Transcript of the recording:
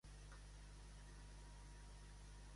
L'estil d'animació és el típic japonès, conegut com a anime.